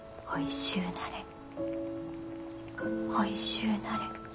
おいしゅうなれ。